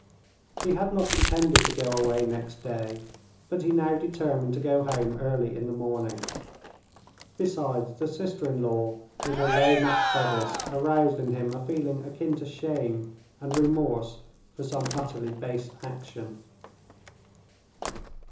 He had not intended to go away next day, but he now determined to go home early in the morning. Besides, the sister in law with her low necked bodice aroused in him a feeling akin to shame and remorse for some utterly base action.